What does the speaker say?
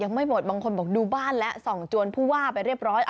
ไม่หมดบางคนบอกดูบ้านแล้วส่องจวนผู้ว่าไปเรียบร้อย